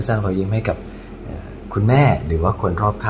แล้ววันนี้ผมมีสิ่งหนึ่งนะครับเป็นตัวแทนกำลังใจจากผมเล็กน้อยครับ